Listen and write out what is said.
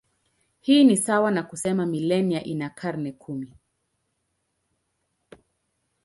Hii ni sawa na kusema milenia ina karne kumi.